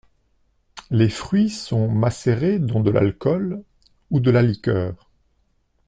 Les fruits sont macérés dans de l'alcool ou de la liqueur.